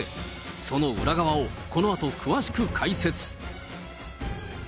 その裏側を、このあと詳しく解説。